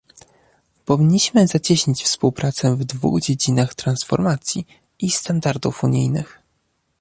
Powinniśmy zacieśnić współpracę w dwóch dziedzinach transformacji i standardów unijnych